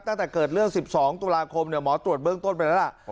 ตั้งแต่เกิดเรื่อง๑๒ตุลาคมหมอตรวจเบื้องต้นไปแล้วล่ะ